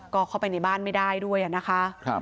ก็เข้าไปในบ้านไม่ได้ด้วยนะคะ